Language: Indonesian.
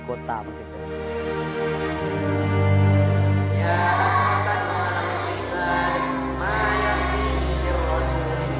kota kota masih jadi ya maksudnya kan mengenali dari mayani rosul ini ada di